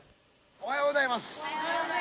「おはようございます」